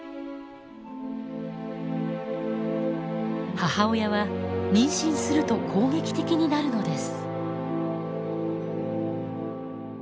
母親は妊娠すると攻撃的になるのです。